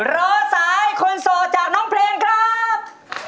รอสายคนโสดจากน้องเพลงครับ